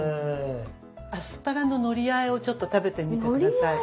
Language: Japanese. アスパラののりあえをちょっと食べてみて下さい。